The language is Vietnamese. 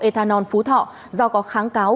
ethanol phú thọ do có kháng cáo